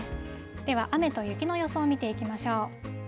では、雨と雪の予想を見ていきましょう。